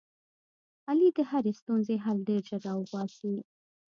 علي د هرې ستونزې حل ډېر زر را اوباسي.